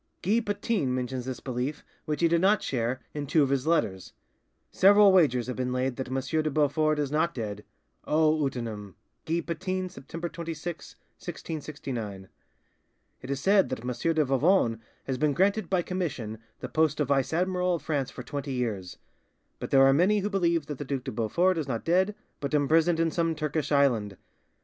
Guy Patin mentions this belief, which he did not share, in two of his letters:— "Several wagers have been laid that M. de Beaufort is not dead! 'O utinam'!" (Guy Patin, September 26, 1669). "It is said that M. de Vivonne has been granted by commission the post of vice admiral of France for twenty years; but there are many who believe that the Duc de Beaufort is not dead, but imprisoned in some Turkish island.